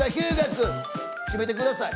「締めてください」